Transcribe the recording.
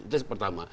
itu yang pertama